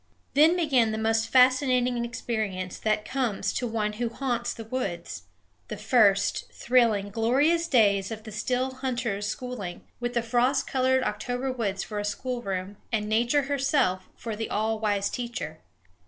Then began the most fascinating experience that comes to one who haunts the woods the first, thrilling, glorious days of the still hunter's schooling, with the frost colored October woods for a schoolroom, and Nature herself for the all wise teacher.